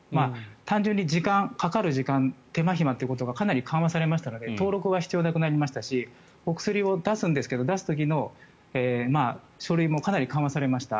単純にかかる時間手間ひまということがかなり緩和されましたので登録が必要なくなりましたしお薬を出すんですが出す時の書類もかなり緩和されました。